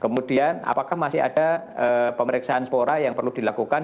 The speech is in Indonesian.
kemudian apakah masih ada pemeriksaan spora yang perlu dilakukan